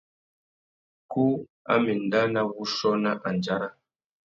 Kú a má enda nà wuchiô nà andjara.